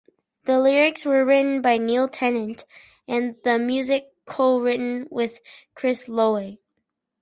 The lyrics were written by Neil Tennant and the music co-written with Chris Lowe.